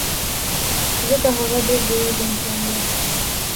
ځکه هغه ډېر بې وزله انسان دی